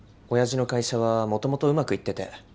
親父の会社はもともとうまくいってて。